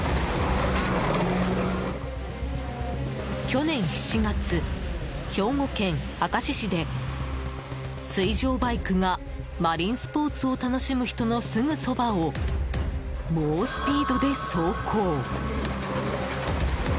去年７月兵庫県明石市で、水上バイクがマリンスポーツを楽しむ人のすぐそばを猛スピードで走行。